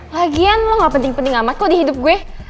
lagian lo gak penting penting amat kok di hidup gue